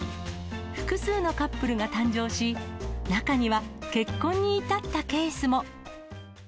複数のカップルが誕生し、中には結婚に至ったケースも。